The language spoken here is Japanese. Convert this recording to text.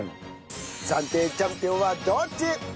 暫定チャンピオンはどっち！？